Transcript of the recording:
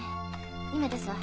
今出すわ。